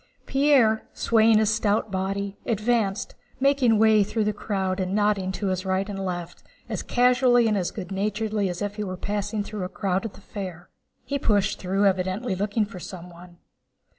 Pierre, swaying his stout body, advanced, making way through the crowd and nodding to right and left as casually and good naturedly as if he were passing through a crowd at a fair. He pushed through, evidently looking for someone.